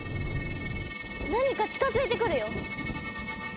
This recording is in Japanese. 何か近づいてくるよ。